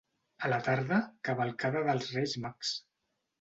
A la tarda, cavalcada dels Reis Mags.